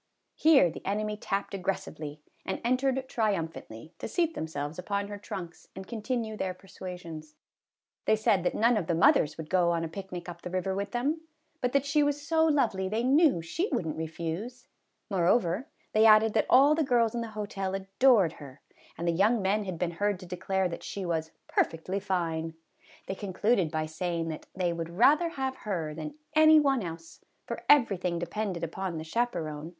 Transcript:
Here the enemy tapped aggres sively, and entered triumphantly, to seat themselves upon her trunks and continue their persuasions ; they said that none of the mothers would go on a picnic up the river with them, but that she was so lovely they knew she would n't refuse ; moreover, they added that all the girls in the hotel adored her, and the young men had been heard to declare that she was " perfectly fine." They concluded by say ing that they would rather have her than any one else, for everything depended upon the chaperon ; 148 MRS. HUDSON'S PICNIC.